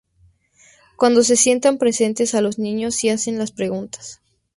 Cuando se sientan, presentan a los niños y hacen las preguntas.